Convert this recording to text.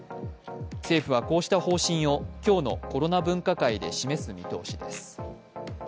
政府はこうした方針を今日のコロナ分科会で示す見通しです。